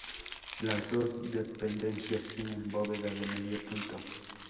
Las dos dependencias tienen bóveda de medio punto.